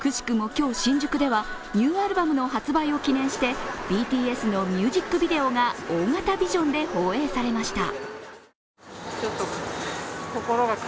今日、新宿ではニューアルバムの発売を記念してＢＴＳのミュージックビデオが大型ビジョンで放映されました。